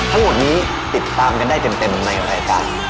ทั้งหมดนี้ติดตามกันได้เต็มในรายการ